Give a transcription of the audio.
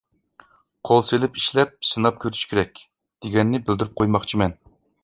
قول سېلىپ ئىشلەپ، سىناپ كۆرۈش كېرەك، دېگەننى بىلدۈرۈپ قويماقچىمەن.